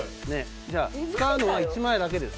使うのは１枚だけです。